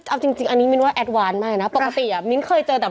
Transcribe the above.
แต่นี่มันรถใหญ่นะ